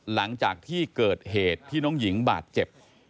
หลังจากที่เกิดเหตุที่น้องหญิงบาดเจ็บ